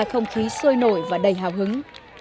thông khí sôi nổi và đầy hào hứng